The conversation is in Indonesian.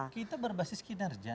kita berbasis kinerja